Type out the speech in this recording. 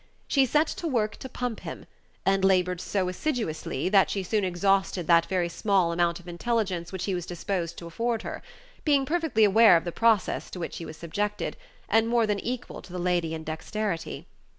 She set to work to pump him, and labored so assiduously that she soon exhausted that very small amount of intelligence which he was disposed to afford her, being perfectly aware of the process to which he was subjected, and more than equal to the lady in dexterity.